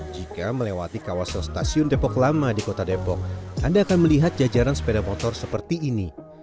jika melewati kawasan stasiun depok lama di kota depok anda akan melihat jajaran sepeda motor seperti ini